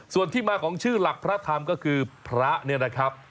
ส่วนที่มาของชื่อหลักพระธรรมก็คือพระเนี่ยนะครับ